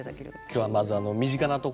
今日はまず身近なところから。